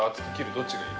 どっちがいい？